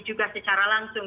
juga secara langsung